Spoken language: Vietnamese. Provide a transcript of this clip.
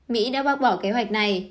mỹ đã bác bỏ kế hoạch này